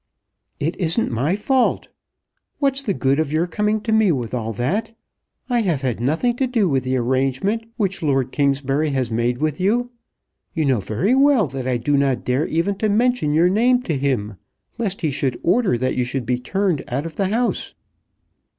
"It isn't my fault. What's the good of your coming to me with all that? I have had nothing to do with the arrangement which Lord Kingsbury has made with you. You know very well that I do not dare even to mention your name to him, lest he should order that you should be turned out of the house."